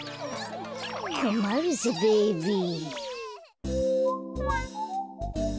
こまるぜベイビー。